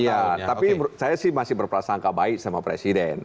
iya tapi saya sih masih berprasangka baik sama presiden